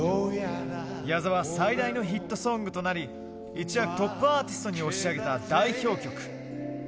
矢沢最大のヒットソングとなり、一躍トップアーティストに押し上げた代表曲。